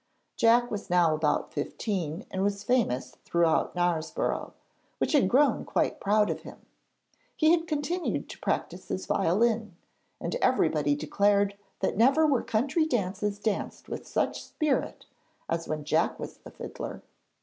Jack was now about fifteen and was famous throughout Knaresborough, which had grown quite proud of him. He had continued to practise his violin, and everybody declared that never were country dances danced with such spirit as when Jack was the fiddler.